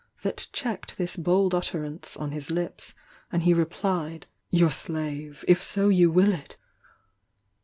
t checked this bold utterance on his hps, and he rephed. "Your slave!— if so you will it!